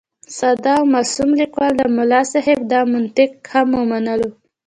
ساده او معصوم کلیوال د ملا صاحب دا منطق هم ومنلو.